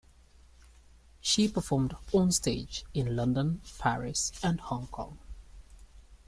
She performed onstage in London, Paris, and Hong Kong.